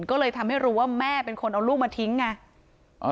ก็เลยทำให้รู้ว่าแม่เป็นคนเอาลูกมาทิ้งไง